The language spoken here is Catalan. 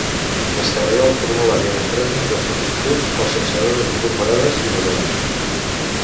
Descarregueu el formulari electrònic de sol·licitud o sense dades incorporades i deseu-lo.